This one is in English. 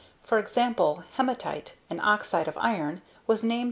For example, hematite, an oxide of iron, was named about 325 B.